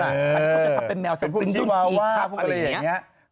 เขาจะทำเป็นแมวสฟริงค์รุ่นทีครับอะไรอย่างนี้